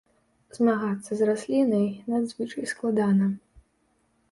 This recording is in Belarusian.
Змагацца з раслінай надзвычай складана.